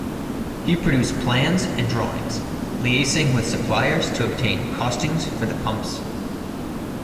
He produced plans and drawings, liaising with suppliers to obtain costings for the pumps.